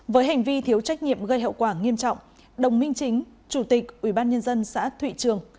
với hành vi thiếu trách nhiệm gây hậu quả nghiêm trọng đồng minh chính chủ tịch ubnd xã thụy trường